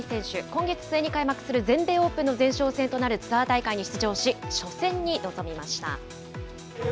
今月末に開幕する全米オープンの前哨戦となるツアー大会に出場し、初戦に臨みました。